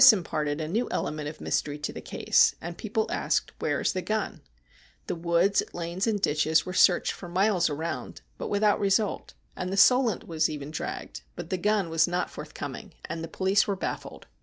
This imparted a new element of mystery to the case ; and people asked :' Where is the gun ?' The woods, lanes, and ditches were searched for miles around, but without result ; and the Solent was even dragged, but the gun was not forth 264 STORIES WEIRD AND WONDERFUL coming, and the police were baffled.